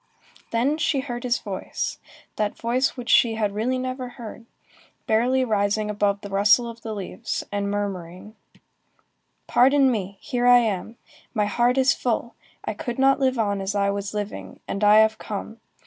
Then she heard his voice, that voice which she had really never heard, barely rising above the rustle of the leaves, and murmuring:— "Pardon me, here I am. My heart is full. I could not live on as I was living, and I have come.